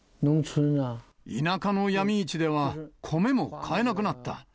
田舎の闇市では、米も買えなくなった。